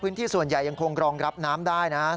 ส่วนใหญ่ยังคงรองรับน้ำได้นะครับ